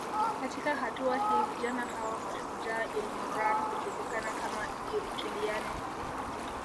Katika hatua hii vijana hawa mashujaa ilmurran hujulikana kama Ilkiliyani